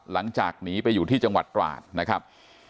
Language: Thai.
หลังจากหนีไปอยู่ที่จังหวัดตราดนะครับ